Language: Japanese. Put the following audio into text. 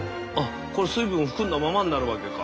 これ水分を含んだままになるわけか。